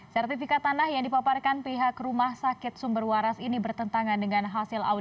sertifikat tanah yang dipaparkan pihak rumah sakit sumberwaras ini bertentangan dengan pemprov dki jakarta